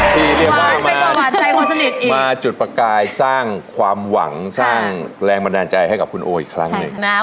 ที่เรียกว่ามาจุดประกายสร้างความหวังสร้างแรงบันดาลใจให้กับคุณโออีกครั้งหนึ่ง